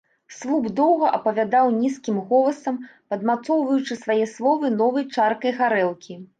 Слуп доўга апавядаў нізкім голасам, падмацоўваючы свае словы новай чаркай гарэлкі.